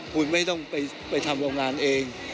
คุณไม่ต้องไปทำโรงงานเอง